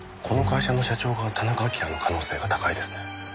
この会社の社長が田中晶の可能性が高いですね。